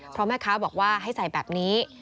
เพราะแม่ค้าบอกว่าให้ใส่แบบนี้